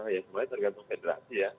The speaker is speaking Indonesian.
ya semuanya tergantung federasi ya